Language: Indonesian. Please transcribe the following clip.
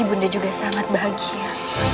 ibu nda juga sangat bahagia